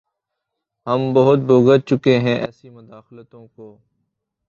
ہم بہت بھگت چکے ایسی مداخلتوں کو۔